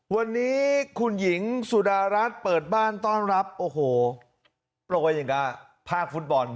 วันนี้คุณหญิงสุดารัฐเปิดบ้านต้อนรับโอ้โหโปรยอย่างกับภาคฟุตบอล